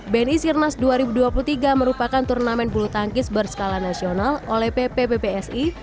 bni sirnas dua ribu dua puluh tiga merupakan turnamen bulu tangkis berskala nasional oleh pppsi